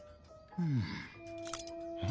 うん。